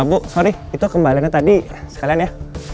bu sorry itu kembaliannya tadi sekalian ya